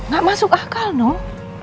gak masuk akal noh